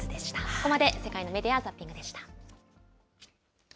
ここまで世界のメディア・ザッピングでした。